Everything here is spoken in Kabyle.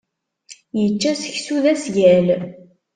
Ičča seksu d asgal.